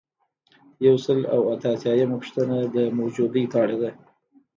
یو سل او اته اتیایمه پوښتنه د موجودیې په اړه ده.